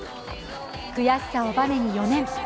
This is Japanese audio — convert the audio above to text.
悔しさをバネに４年。